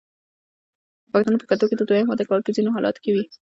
د پښتنو په کلتور کې د دویم واده کول په ځینو حالاتو کې وي.